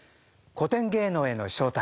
「古典芸能への招待」